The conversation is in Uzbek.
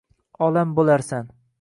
Olam bo’larsan.